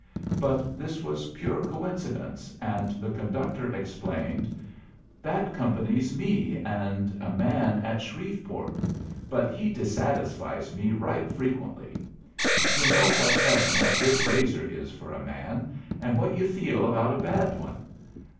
But this was pure coincidence, and the conductor explained: "That company's me and a man at Shreveport, but he dissatisfies me right frequently. You know what heaven a good razor is for a man, and what you feel about a bad one.